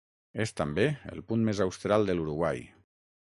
És, també, el punt més austral de l'Uruguai.